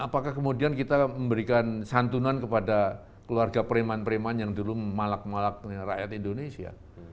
apakah kemudian kita memberikan santunan kepada keluarga preman preman yang dulu memalak malak rakyat indonesia